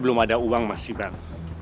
belum ada uang mas gibran